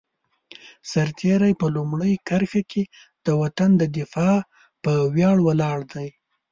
سرتېری په لومړۍ کرښه کې د وطن د دفاع په ویاړ ولاړ دی.